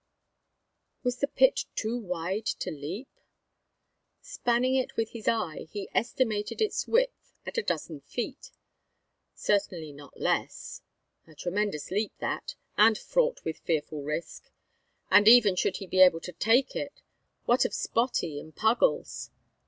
Was the pit too wide to leap? Spanning it with his eye, he estimated its width at a dozen feet; certainly not less. A tremendous leap that, and fraught with fearful risk. And even should he be able to take it, what of Spottie and Puggles?